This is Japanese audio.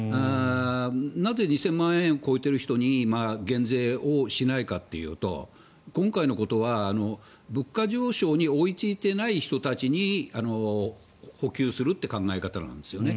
なぜ２０００万円を超えている人に減税をしないかというと今回のことは物価上昇に追いついていない人たちに補給するという考え方なんですよね。